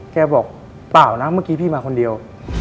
บอกเปล่านะเมื่อกี้พี่มาคนเดียว